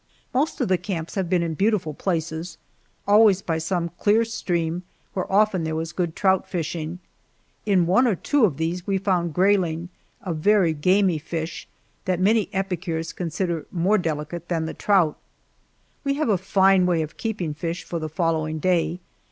Most of the camps have been in beautiful places always by some clear stream where often there was good trout fishing. In one or two of these we found grayling, a very gamey fish, that many epicures consider more delicate than the trout. We have a fine way of keeping fish for the following day.